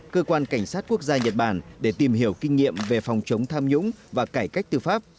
cơ quan cảnh sát quốc gia nhật bản để tìm hiểu kinh nghiệm về phòng chống tham nhũng và cải cách tư pháp